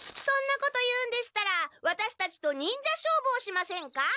そんなこと言うんでしたらワタシたちと忍者勝負をしませんか？